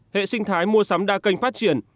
hệ sinh thái mua sắm đa kênh phát triển